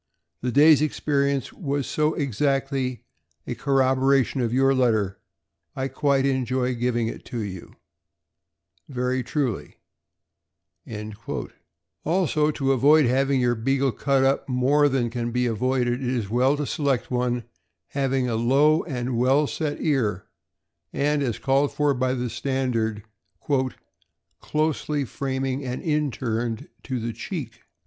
The day's experience was so exactly a corroboration of your letter, I quite enjoy giving it to you Very truly, Also, to avoid having your Beagle cut up more than can be avoided, it is well to select one having a low and well set ear, and as called for by the standard, '' closely framing and inturned to the cheek."